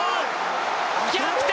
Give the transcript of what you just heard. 逆転